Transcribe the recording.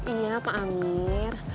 iya pak amir